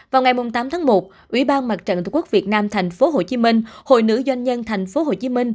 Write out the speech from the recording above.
vào ngày tám tháng một ủy ban mặt trận tổ quốc việt nam tp hcm hội nữ doanh nhân tp hcm